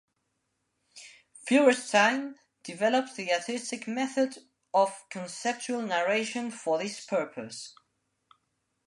Feuerstein developed the artistic method of "conceptual narration" for this purpose.